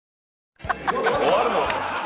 終わるの？